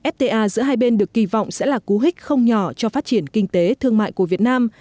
fta giữa hai bên được kỳ vọng sẽ là cú hích không nhỏ cho phát triển kinh tế thương mại của việt nam